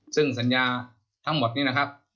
ซึ่งสัญญาทั้งหมดนี้นะครับ